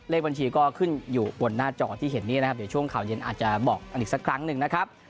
เลขบัญชีก็ขึ้นอยู่บนหน้าจอที่เห็นนี้นะครับเดี๋ยวช่วงข่าวเย็นอาจจะบอกกันอีกสักครั้งหนึ่งนะครับ